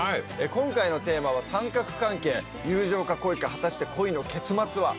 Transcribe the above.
今回のテーマは三角関係友情か恋か果たして恋の結末は？